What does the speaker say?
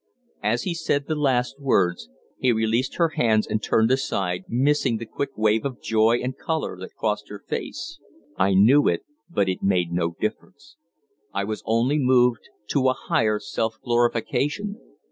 As he said the last words he released her hands and turned aside, missing the quick wave of joy and color that crossed her face. "I knew it, but it made no difference; I was only moved to a higher self glorification.